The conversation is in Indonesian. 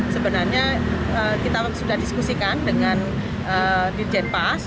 sebenarnya kita sudah diskusikan dengan dirjen pas